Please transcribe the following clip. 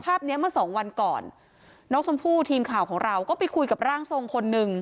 ภาพเนี้ยเมื่อสองวันก่อนน้องชมพู่ทีมข่าวของเราก็ไปคุยกับร่างทรงคนหนึ่ง